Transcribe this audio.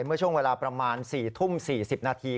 เมื่อช่วงเวลาประมาณ๔ทุ่ม๔๐นาที